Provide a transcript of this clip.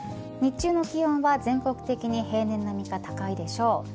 日中の気温は全国的に平年並みか高いでしょう。